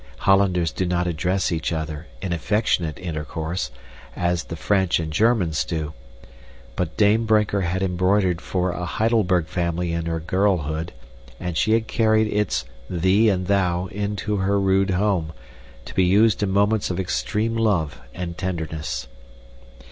Hollanders do not address each other, in affectionate intercourse, as the French and Germans do. But Dame Brinker had embroidered for a Heidelberg family in her girlhood, and she had carried its thee and thou into her rude home, to be used in moments of extreme love and tenderness.